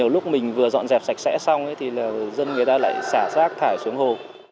lúc mình vừa dọn dẹp sạch sẽ xong thì dân người ta lại xả rác thải xuống hồ